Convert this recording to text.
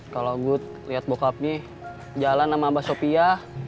kalau ogut liat bokapnya jalan sama abah sopi ya